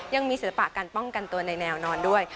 ศิลปะการป้องกันตัวในแนวนอนด้วย